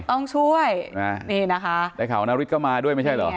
ต้องช่วยนี่นะคะในข่าวนาริสก็มาด้วยไม่ใช่เหรอ